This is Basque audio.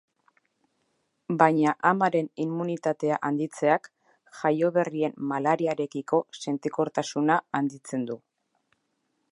Baina amaren immunitatea handitzeak jaioberrien malariarekiko sentikortasuna handitzen du.